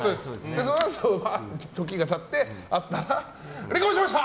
そのあとファーっと時が経って会ったら、離婚しました！